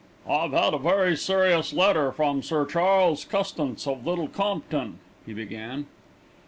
"I've had a very serious letter from Sir Charles Custance of Little Compton," he began.